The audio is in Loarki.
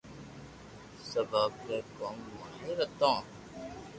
سب آپري ڪوم ماھر ھتو